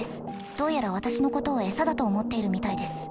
どうやら私のことを餌だと思っているみたいです。